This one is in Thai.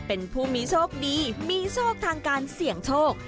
เป็นผู้มีโชคดีมีโชคทางการเสี่ยงโชค